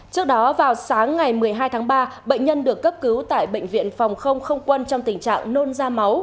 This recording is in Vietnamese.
trước đó vào sáng ngày một mươi hai tháng ba bệnh nhân được cấp cứu tại bệnh viện phòng không không quân trong tình trạng nôn ra máu